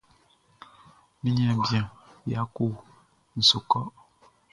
Mi niaan bian Yako n su kɔ.